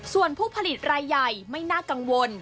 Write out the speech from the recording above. ส่วนผู้ผลิตรายใหญ่ไม่น่ากังวล